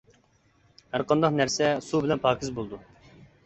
ھەرقانداق نەرسە سۇ بىلەن پاكىز بولىدۇ.